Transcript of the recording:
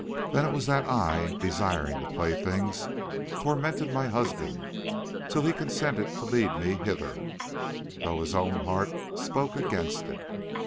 Then it was that I, desiring the playthings, tormented my husband till he consented to lead me hither, though his own heart spoke against it.